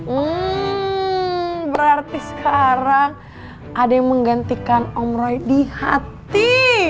hmm berarti sekarang ada yang menggantikan om roy di hati